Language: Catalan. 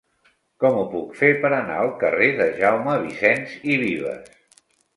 Com ho puc fer per anar al carrer de Jaume Vicens i Vives?